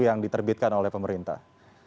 yang diterbitkan oleh pemerintah